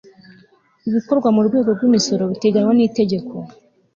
ibikorwa mu rwego rw imisoro biteganywa n itegeko